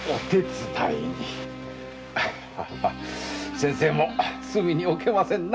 先生も隅に置けませんな。